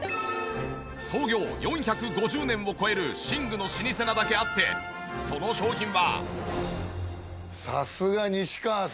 創業４５０年を超える寝具の老舗なだけあってその商品は。